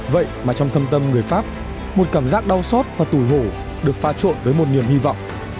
vậy mà trong thâm tâm người pháp một cảm giác đau xót và tủi hổ được pha trộn với một niềm hy vọng